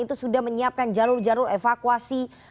itu sudah menyiapkan jalur jalur evakuasi